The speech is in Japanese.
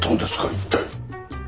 一体。